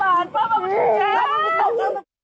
อันนี้ครับ